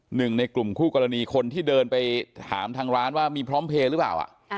หนึ่งในกลุ่มคู่กรณีคนที่เดินไปถามทางร้านว่ามีพร้อมเพลย์หรือเปล่า